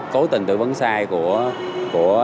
cố tình tư vấn sai của